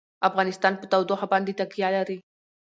افغانستان په تودوخه باندې تکیه لري.